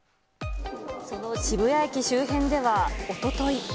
その渋谷駅周辺ではおととい。